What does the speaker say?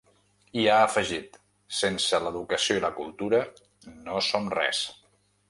I ha afegit: Sense l’educació i la cultura no som res.